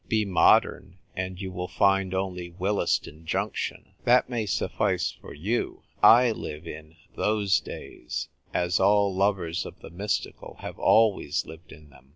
Be modern, and you will find only Willesden Junction. That may suffice for you. I live in " those days," as all lovers oi the mystical have always lived in them.